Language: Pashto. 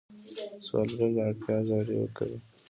سوالګر له اړتیا زاری کوي